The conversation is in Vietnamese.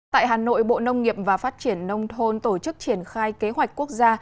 tại hà nội bộ nông nghiệp và phát triển nông thôn tổ chức triển khai kế hoạch quốc gia